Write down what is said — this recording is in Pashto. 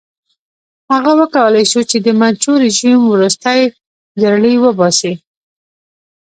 هغه وکولای شو چې د منچو رژیم ورستۍ جرړې وباسي.